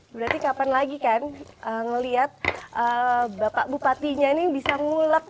berarti kapan lagi kan ngelihat bapak bupatinya nih bisa ngulek